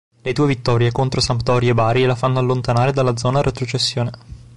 Le due vittorie contro Sampdoria e Bari la fanno allontanare dalla zona retrocessione.